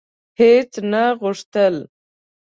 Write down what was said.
هیڅ نه غوښتل: